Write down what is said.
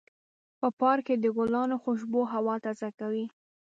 په پارک کې د ګلانو خوشبو هوا تازه کوي.